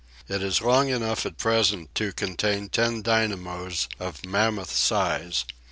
It is long enough at present to contain ten dynamos of mammoth size.